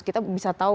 kita bisa tahu